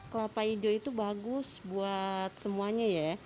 kelapa hijau itu bagus buat semuanya ya